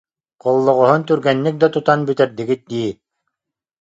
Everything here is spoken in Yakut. Холлоҕоһун түргэнник да тутан бүтэрдигит дии